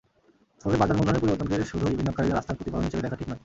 ফলে বাজার মূলধনের পরিবর্তনকে শুধুই বিনিয়োগকারীদের আস্থার প্রতিফলন হিসেবে দেখা ঠিক নয়।